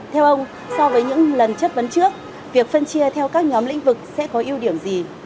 theo ông so với những lần chất vấn trước việc phân chia theo các nhóm lĩnh vực sẽ có ưu điểm gì